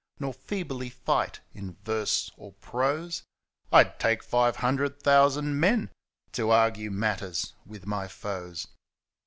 Nor feebly fight in verse or prose. I'd take five hundred thousand men To argue matters with my foes